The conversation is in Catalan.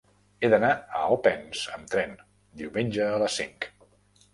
He d'anar a Alpens amb tren diumenge a les cinc.